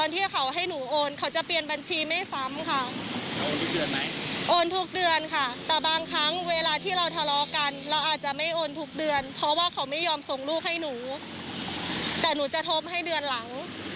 แต่หนูจะทบให้เดือนหลัง